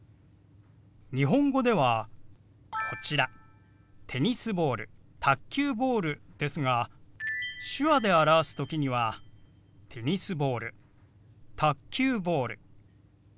日本語ではこちら「テニスボール」「卓球ボール」ですが手話で表す時には「テニスボール」「卓球ボール」。